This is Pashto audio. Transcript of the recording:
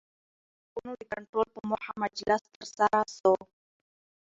د نرخونو د کنټرول په موخه مجلس ترسره سو